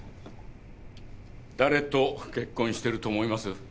誰と結婚してると思います？